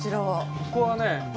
ここはね